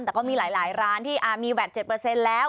แต่ก็มีหลายร้านที่มีแวด๗แล้ว